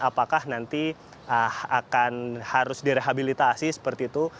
apakah nanti akan harus direhabilitasi seperti itu